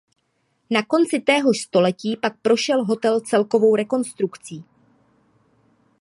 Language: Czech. Na konci téhož století pak prošel hotel celkovou rekonstrukcí.